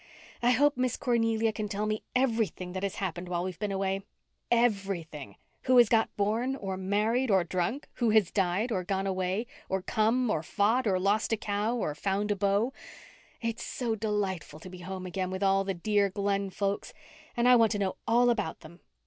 I hope Miss Cornelia can tell me everything that has happened while we've been away—everything—who has got born, or married, or drunk; who has died, or gone away, or come, or fought, or lost a cow, or found a beau. It's so delightful to be home again with all the dear Glen folks, and I want to know all about them.